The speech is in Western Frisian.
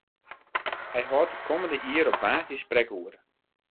Hy hâldt it kommende jier op woansdei sprekoere.